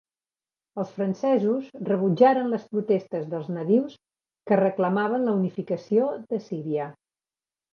Els francesos rebutjaren les protestes dels nadius que reclamaven la unificació de Síria.